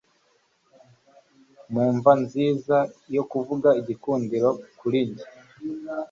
Mu mva nziza yo kuvuga igikundiro kuri njye